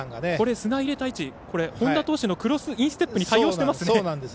砂を入れた位置、本田投手のインステップに対応していますね。